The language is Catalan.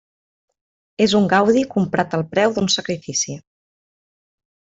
És un gaudi comprat al preu d'un sacrifici.